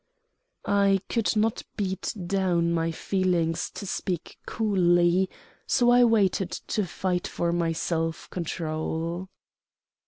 I could not beat down my feelings to speak coolly; so I waited to fight for my self control.